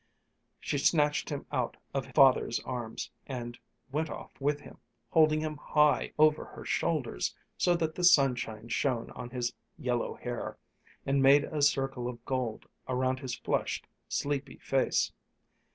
She snatched him out of Father's arms and went off with him, holding him high over her shoulders so that the sunshine shone on his yellow hair, and made a circle of gold around his flushed, sleepy face.